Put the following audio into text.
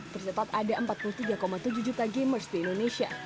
tercatat ada empat puluh tiga tujuh juta gamers di indonesia